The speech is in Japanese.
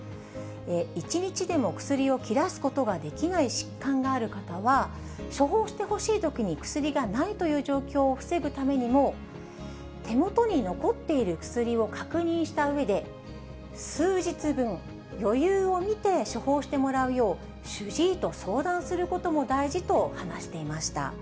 １日でも薬を切らすことができない疾患がある方は、処方してほしいときに薬がないという状況を防ぐためにも、手元に残っている薬を確認したうえで、数日分、余裕を見て処方してもらうよう、主治医と相談することも大事と話していました。